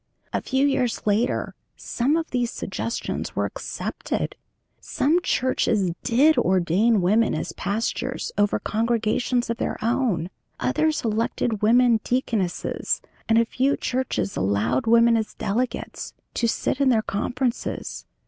A few years later some of these suggestions were accepted. Some churches did ordain women as pastors over congregations of their own, others elected women deaconesses, and a few churches allowed women, as delegates, to sit in their conferences.